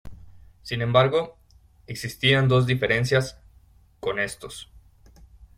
Sin embargo, existían dos diferencias con estos.